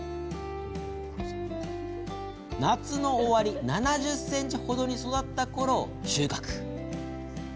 夏の終わり７０ｃｍ程に育ったころ、収穫。